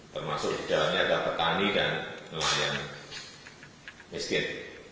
termasuk di dalamnya ada petani dan nelayan miskin